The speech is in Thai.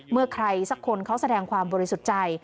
เมื่อใครสักคนเขาแสดงความบริสุทธิ์ใจ